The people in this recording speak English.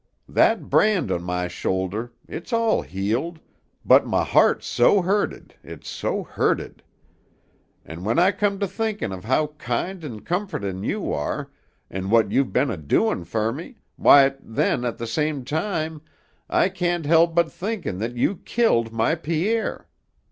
That brand on my shoulder, it's all healed, but my heart's so hurted, it's so hurted. An' when I come to thinkin' of how kind an' comfortin' you are an' what you've been a doin' fer me, why, then, at the same time, I can't help but thinkin' that you killed my Pierre.